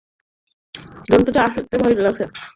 গ্রাহকরা আসতে ভয় পাচ্ছে।